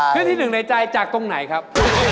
ขึ้นที่หนึ่งในใจจากตรงไหนครับ